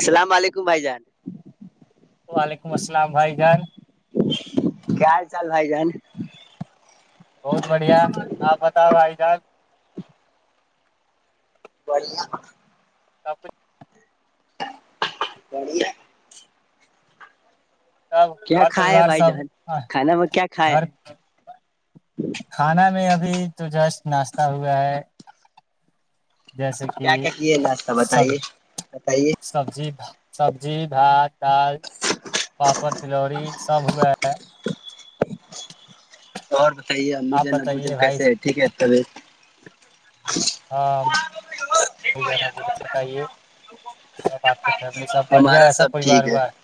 السلام علیکم بھائی جان وعلیکم السلام بھائی جان کیاال چال بھائی جان [unintelligible] بہت بڑھیا آپ پتا بھائی جد بڑیا سب کچھ بڑیا سب کیا گھر کھائے پریوار بھائی سب جان کھانا میں کیا کھائے گھر کھانا میں اب ابھی تو جسٹ ناشہ ہوا ہے جیسے کہ کیا کیا کیے ناشہ سب بتائیے بتائیے سبزی سبزی بات دال پاپڑ تلووری سب ہوئے ہے اور صح ہے آپ ابوجن ابوجن بتائیے کیس بھائی ہے ٹھیک ہے تب ہاں جا بتائیے سب آپ کے فم سب بڑھیا ہمارا ہے ساب سب پریوار ٹھیک ہوا ہے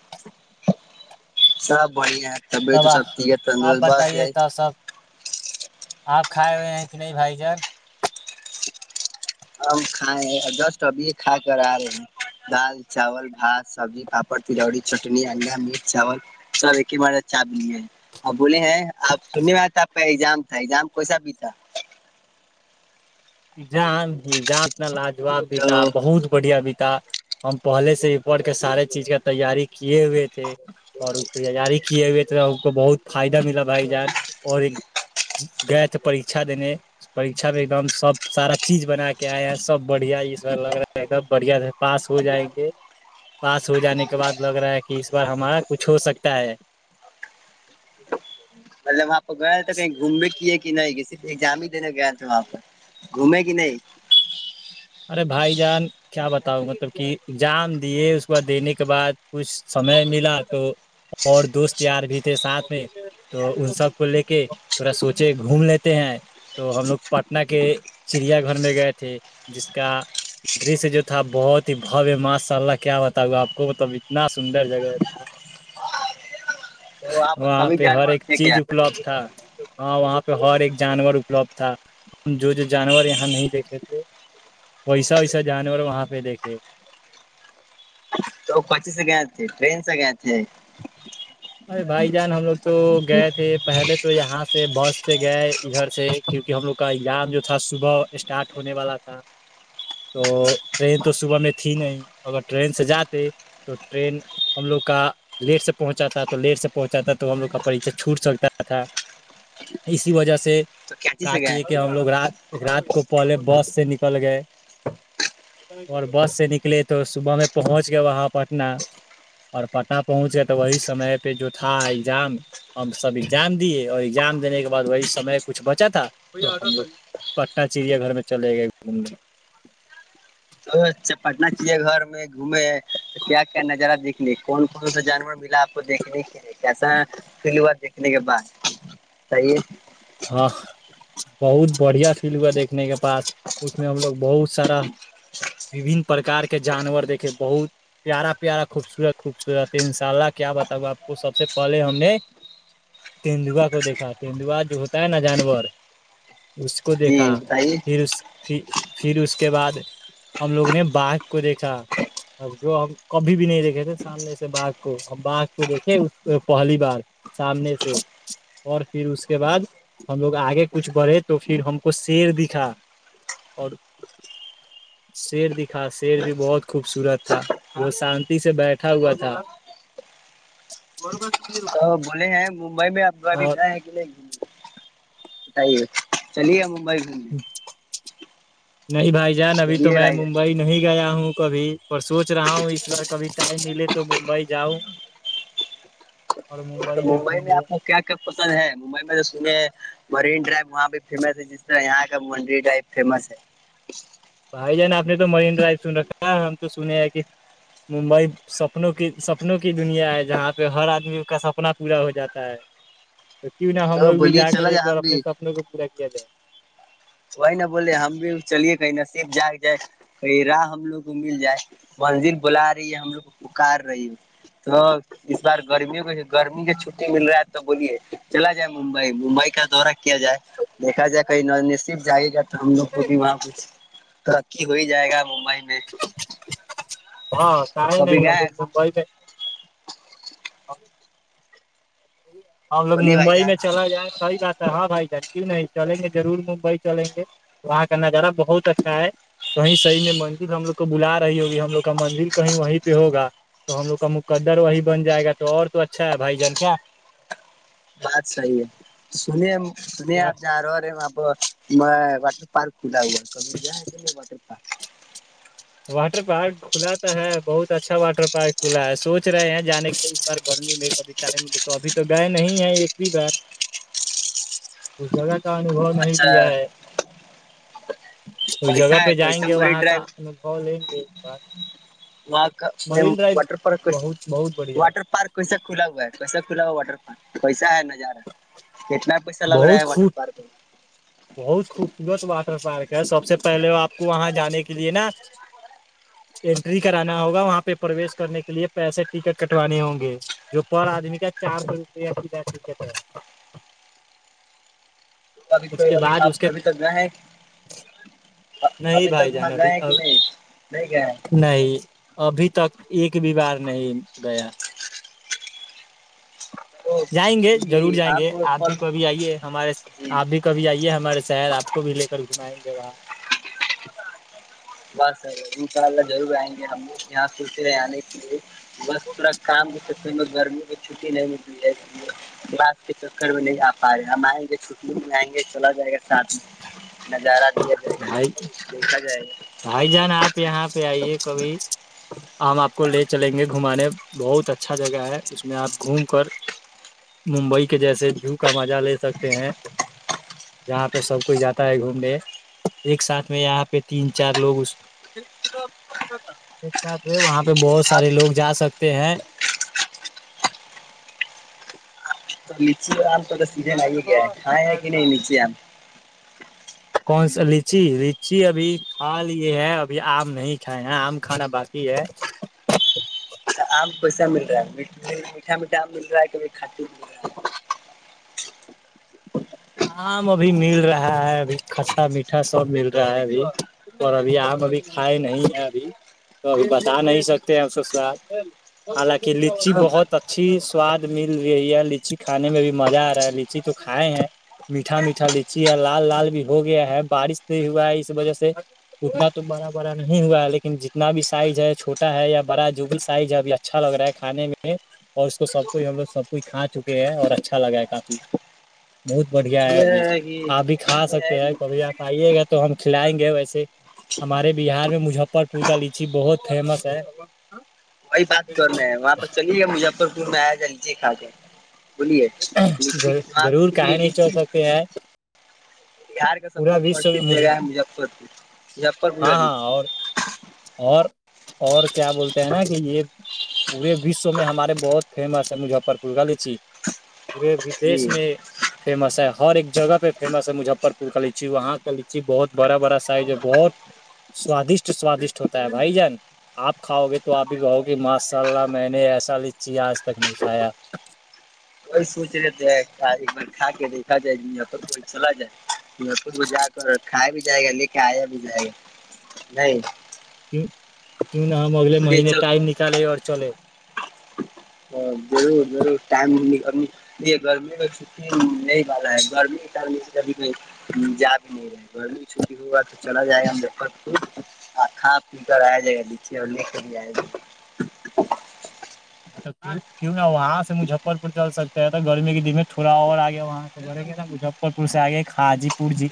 سب بڑھیا ہے طبیعت تو سب ٹھیک ہے آپ تندرست بس بتائیے یہی تو سب آپ کھائے ہوئے ہیں کہ نہیں بھائی جان ہم کھائے جسٹ ابھی کھا کر آ رہے ہیں دال چاول بھات سبزی پاپڑ تلوڑی چٹنی انیا میٹ چاول سب ایک ہی بارے چا بے ہے اب بولے ہیں آپ سننے میں آ پ جام تھا جام کوسا ب تھاا جام جام اتنا لاجواب بھیتا تو بہت بڑھیا بھیتا ہم پہلے سے ہی پڑھ کے سارے چیز کا تیاری کیے ہوئے تھے اور تیاری کیے ہوئے تھے ہم کو بہت فائدہ ملا بھائی جان اور ایک گئے تھے پریکشہ دینے پریکشہ پہ ایک دم سب سارا چیز بنا کے آیا سب بڑھیا اس بار لگ رہا ہے سب بڑھیا سے پاس ہو جائیں گے پاس ہو جانے کے بعد لگ رہا ہے کہ اس بار ہمارا کچھ ہو سکتا ہے مطلب آپ تو گیا تھا کہیں گھومنے کی کہ نہیں کہ صرف ایگزام ہی دینے گیا تھا وہاں پہ گھومے کہ نہیں ارے بھائی جان کیا بتاؤ مطلب کہ ایگزام دیے اس کو دینے کے بعد کچھ سمئے ملا تو اور دوست یار بھی تھے ساتھ میں تو ان سب کو لے کے تھوڑا سوچے گھوم لیتے ہیں تو ہم لوگ پٹنہ کے چڑیا گھر میں گئے تھے جس کا درش جو تھا بہت ہی بھویہ ماشاء اللہ کیا بتاؤ آپ کو مطلب اتنا سندر جگہ تھا تو پر وہاں سبھی پہ ہر جانور ایک تھے کیا چیز اپلبدھ تھا ہاں وہاں پہ ہر ایک جانور اپلبدھ تھا ہم جو جو جانور یہاں نہیں دیکھے تھے ویسا ویسا جانور وہاں پہ دیکھے تو پچی سے گیا تھے ٹریین سے گیا تھے ارے بھائی جان ہم لوگ تو گئے تھے پہلے تو یہاں سے بس سے گئے ادھر سے کیونکہ ہم لوگ کا ایگزام جو تھا صبح اسٹارٹ ہونے والا تھا تو ٹرین تو صبح میں تھی نہیں اگر ٹرین سے جاتے تو ٹرین ہم لوگ کا لیٹ سے پہنچاتا تھا تو لیٹ سے پہنچاتا تھا تو ہم لوگ کا پریکشہ چھوٹ سکتا تھا اسی وجہ سے تو کراچی کا سے گئے کیے کہ ہم لوگ رات رات کو پہلے بس سے نکل گئے اور بس سے نکلے تو صبح میں پہنچ گئے وہاں پٹنہ اور پٹنہ پہنچ گئے تو وہی سمے پہ جو تھا ایگزام ہم سب ایگزام دیے اور ایگزام دینے کے بعد وہی سمے کچھ بچا تھا پٹنہ چڑیا گھر میں چلے گئے گھومنے تو پٹنہ چڑیا گھر میں گھومے تو کیا کیا نظارہ دیکھنے کون کون سا جانور ملا آپ کو دیکھنے کے لیے کیسا فلوار دیکھ صحیح ہے [inaudible] ہاں بہت بڑھیا فیل ہوا دیکھنے کے پاس اس میں ہم لوگ بہت سارا وبن پرکار کے جانور دیکھے بہت پیارا پیارا خوبصورت خوبصورت ان شاء اللہ کیا بتاؤ آپ کو سب سے پہلے ہم نے تیندوا کو دیکھا تیندوا جو تا ہے نا جانور کو جی دیکھا بتائیے پھر اس پھر اس کے بعد ہم لوگوں نے باغ کو دیکھا جو ہم کبھی بھی نہیں دیکھے تھے سامنے سے باغ کو ہم باغ کو دیکھے پہلی بار سامنے سے اور پھر اس کے بعد ہم لوگ آگے کچھ بڑھے تو پھر ہم کو شیر دکھا اور شیر دکھا شیر بھی بہت خوبصورت تھا بہت شانتی سے بیٹھا ہوا تھا تو بولے ہیں ممبئی میں آپ کبھی اور گئے ہیں کہ نہیں گئے بتائیے چلیے [inaudible] نہیں بھائی جان ابھی تو چلیے میں بھائی جان ممبئی نہیں گیا ہوں کبھی پر سوچ رہا ہوں اس بار کبھی ٹائم ملے تو ممبئی جاؤ تو ممبئی میں آپ کو کیا کیا پسند ہے ممبئی میں تو سنے ہیں مرین ڈرائیو وہاں پہ فیمس ہے جس طرح یہاں کا منڈی ڈرائیو فیمس ہے بھائی جان آپ نے تو مرین ڈرائیو سن رکھا ہے ہم تو سنے ہیں کہ ممبئی سپنوں کی سپنوں کی دنیا ہے جہاں پہ ہر آدمی کا سپنا پورا ہو جاتا ہے تو کیوں نہ ہم تو لوگ بھی بولیے جا کر چلا ایک جائے بار ہم اپنے بھی سپنوں کو پورا کیا جائے وہی نا بولے ہم بھی چلیے کہیں نصب جاگ جائے کہیں راہ ہم لوگوں کو مل جائے منزل بلا رہی ہے ہم لوگ کو پکار رہی ہے تو اس بار گرمیوں کو گرمی کے چھٹی مل رہا ہے تو بولیے چلا جائے ممبئی ممبئی کا دورہ کیا جائے دیکھا جائے کہیں صرف جاگے گ تو ہم لوگ کو بھی وہاں ترکی ہو ہی جائے گا ممبئی میں ہاں سیں کبھی نہیں ا گئے ممبئی میں [unintelligible] [inaudible] سی ہم لوگ بولیے بھائی ممبئی جان میں چلا جائیں صحی بات ہے ہاں بھائی جان کیوں نہیں چلیں گے ضرور ممبئی چلیں گے وہاں کا نظارہ بہت اچھا ہے کہیں صحیح میں مندر ہم لوگ کو بلا رہی ہوگی ہم لوگ کا مندر کہیں وہیں پہ ہوگا تو ہم لوگ کا مقدر وہیں بن جائے گا تو اور تو اچھا ہے بھائی جان کیا بات صحیح ہے سنیے ت نہیں آپ جا رہو ہو ارے آاںپ میں واٹر پارک کھلا ہوا کبھی گیا ہے کہ میں واٹر پارک واٹر پارک کھلا تو ہے بہت اچھا واٹر پارک کھلا ہے سوچ رہے ہیں جانے کے بار گرمی میں کبھیم ابھی تو گئے نہیں ہیں ایک بھی بار اس جگہ کا انوبھو نہیں لیا اچھا ہے اس جگہ پہ جائیں گے وہاں کا انوبھو لیں گے ایک بار وہ کا مرین واٹر پارک ڈرائیو کس بہت بہت بڑھیا واٹر ہے پارک کسا کلا ہو ہے کسا کھلا ہوا واٹر پارک پس ہے ن [unintelligible] [inaudible] یار کتنا پیس لگ رہا بہت ہے واٹر خوب پارک میں بہت خوبصورت واٹر پارک ہے سب سے پہلے وہ آ [unintelligible] کو وہاں جانے کے لیے نا انینٹری کرانا ہوگا وہاں پہ پرویش کرنے کے لیے پیسے ٹکٹ کٹوانے ہوں گے جو پر آدمی کا چار سو روپیہ کی ٹکٹ ہے ابھی کو اس کے ابھی بعد اس آپ کے کبھی تک ج ہیں [unintelligible] نہیں ابھی بھائی تک وہاں جان گئے ابھی ہیں کہ نہیں نہیں گئے ہیں نہیں ابھی تک ایک بی بار نہیں گیا تو جائیں گے ضرور یہ جائیں گے آم اور آپ پھل بھی کبھی آئیے ہمارے جی آپ بھی کبھی آئیے ہمارے شہر آپ کو بھی لے سر گھمائیں گے وہاں [inaudible] بس انشاء اللہ ضرور آئیں گے ہم لوگ یہاں پنتے رہ آنے کے لیے بس پورا کام کے چر میں گرمی میں چھٹی نہیں مل رہی ہے رات کے چکر میں نہیں آ پا رہے ہم آئیں گے چھٹی م جائیں گے چلا جائے گا ساتھ میں نظارہ دیا جائے گا بھائی دیکھا جائے گا بھائی جان آپ یہاں پہ آئیے کبھی ہم آپ کو لے چلیں گے گھمانے بہت اچھا جگہ ہے اس میں آپ گھوم کر ممبئی کے جیسے وو کا مزہ لے سکتے ہیں جاں پہ سب کوئی جاتا ہے گھومنے ایک ساتھ میں یہاں پہ تین چار لوگ اس ایک ساتھ وہاں پہ تو بہت آپ سارے لوگ جا سکتے ہیں [unintelligible] تو سیدجن آئی گیا ہے کھائےیں ہے کہ نہیں نیچے آ کون سا لچی لچی ابھی کھا لی ہے ابھی آم نہیں کھائے ہیں آم کھانا باقی ہے آم کوسا مل رہا ہے میٹھا میٹھا آم مل رہا ہے کہبھی کھٹی مل رہا ہے آم ابھی مل رہا ہے ابھی کھسا میٹھا سب مل رہا ہے ابھی اور ابھی آم ابھی کھائے نہیں ہے ابھی تو ابھی بتا نہیں سکتے ہم س ساد حالکہ کہ لچی تو بہت اچھی سواد مل رہی ہے لچی کھانے میں بھی مزہ آ رہا ہے لچی تو کھائے ہیں میٹا میٹھا لچی ہے لال لال بھی ہو گیا ہے بارش نہیں ہوا ہے اس وجہ سے اتنا تو بڑا بڑا نہیں ہوا ہے لیکن جتنا بھی سائز ہے چھوٹا ہے یا بڑا جو بھی سائز ہے ابھی اچھا لگ رہا ہے کھانے میں اور اس کو سب کوئی ہم لوگ سب کوئی کھا چکے ہیں اور اچھا لگا ہے کافی بت بڑھیا ہے سنے ابھی آپ بھی کھا سکتے ہیں ہیں کہ کبھی آپ آئیے گا تو ہم کھلائیں گے ویسے ہمارے بہار میں مظفر پور کا لیچی بہت فیمس ہے وہی بات کرنا ہے وہاں پر چلیے گ مجفر میں جلدی کھا د ضرور کہے کیونکہ نہیں چل لیچی سکتے ہیں بہار کا سب سے پورا وشو میں پرسدھ مجھے جگہ ہے مجفر پور مجفر پور ہاں لگی ہاں اور اور اور کیا بولتے ہیں نا کہ یہ پورے وشو میں ہمارے بہت فیمس ہے مجفر پور کا لیچی وہ ودیش جی میں فیمس ہے ہر ایک جگہ پہ فیمس ہے مجفر پور کا لچی وہاں کا لچی بہت بڑا بڑا سا ہے جو بہت سوادشٹ سوادشٹ ہوتا ہے بھائی جان آپ کھاؤ گے تو آپ بھی کہو گے ماشاء اللہ میں نے ایسا لچی آج تک نہیں کھایا کوئی سوچ رہے تھ ایک بار کھا کے دیکھا جائے ج کو چلا جائے پ کو جا کر کھا بھی جائے گا لے کے آیا بھی جائے گا نہیں [inaudible] ہم اگے بولیے مہینے چل ٹائم نکالے اور چلے اور ضرور ضرور ٹائم ن یہ گرمی میں چھٹی نہیں والا ہے گرمی کے کبھی کو جا بھی نہیں رہا ہے گرمی چھٹی ہوا تو چلا جائے گا ہم د خت خود کھا پی کر آیا جائے گا نچے اور لے کے جائے گا ا کیوں نہا وہاں سے مجفر پور چل سکتے ہیں تو گرمی کے دن میں تھوڑا اور آگے وہاں سےیں گے مجفر پور سے آگے حاجی پور جی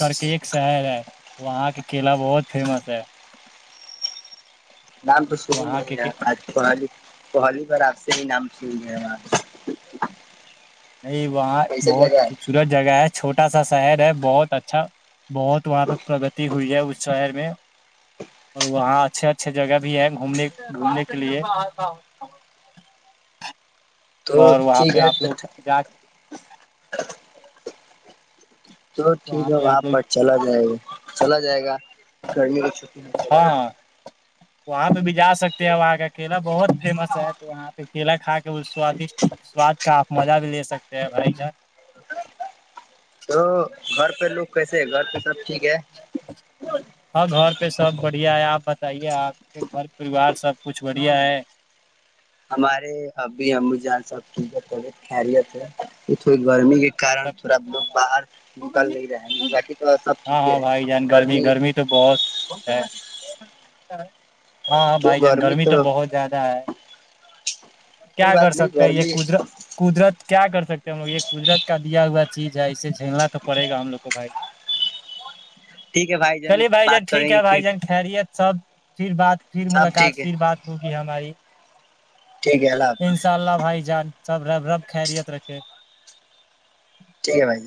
کر کے ایک شہر ہے وہاں کے کیلا بہت فیمس ہے نام تو سن وہاں نہیں کے ن آج کو آ پہاللی بار آپ سے ہی نام سوئی گئے ہمار نہیں وہاں بہت خوبصورت جگہ ہے چھوٹ چھوٹا سا شہر ہے بہت اچھا بہت وہاں پہ پرگتی ہوئی ہے اس شہر میں اور وہاں اچھے اچھے جگہ بھی ہےنے گھومنے کے لیے تو اور وہاں ٹھیک پہ ہے آپ تو لوگ جا کے تو ٹھیک ہے پہ وہاں آپ لوگ پر چلا جائے گا چلا جائے گا گی کی چھٹی میں چلا ج ہاں وہاں پہ بھی جا سکتے ہیں وہاں کا کیلا بہت فیمس ہے تو وہاں پہ کیلا کھا کے وہ سوادشٹ سواد کا آپ مزہ بھی لے سکتے ہیں بھائی جان تو گھر پہلو کیسے ہے گھر پہ سب ٹھیک ہے ہاں گھر پہ سب بڑھیا ہے آپ بتائیے آپ کے گھر پریوار سب کچھ بڑھیا ہے ہمارے ابھی ہم بھی جان سک توت خرییات ہے کہ تھوی گرمی گ کارن سب تھوڑا لوگ باہر نکل نہیں رہے ہیں باقی تو سب ہاں ٹھیک ہاں ہے بھائی جان گرمی س ہاںاں بھائی جان گرمی تو بہت زیادہ ہے کوئی کیا کر بات نہیں سکتے یہ گرمی قدر قدرت کیا کر سکتے ہیں م یہ گجرت کا دیا ہوا چیز ہے اسے جھیلنا تو پڑے گا ہم لوگ کو بھائی ٹھیک ہے بھائی چلیے بھائی جان بات کریں ٹھیک گے ہے پھر بھائی جان خیریت سب پھر بات پھر سب ٹھیک ملاقات ہے پھر بات ہوگی ہماری ٹھیک ہے اللہ ان حافظ شاء اللہ بھائی جان سب رب رب خیریت رکھے ٹھیک ہے بھائی